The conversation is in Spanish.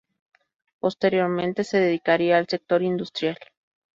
Posteriormente se dedicaría al sector industrial.